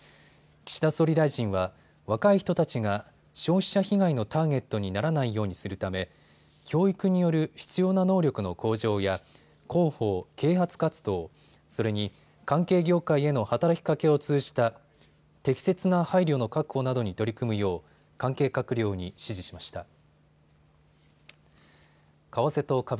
岸田総理大臣は若い人たちが消費者被害のターゲットにならないようにするため教育による必要な能力の向上や広報・啓発活動、それに関係業界への働きかけを通じた適切な配慮の確保などに取り組むよう関係閣僚に指示しました。